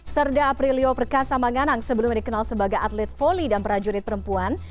serda aprilio perkasa manganang sebelum dikenal sebagai atlet voli dan prajurit perempuan